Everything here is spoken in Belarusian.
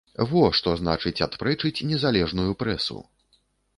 Во што значыць адпрэчыць незалежную прэсу!